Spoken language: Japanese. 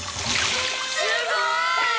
すごい！